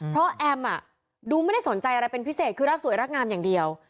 เพราะแอมดูไม่ได้สนใจอะไรเป็นพิเศษคือรักสวยรักงามอย่างเดียว